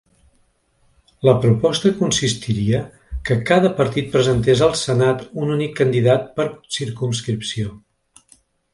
La proposta consistiria que cada partit presentés al senat un únic candidat per circumscripció.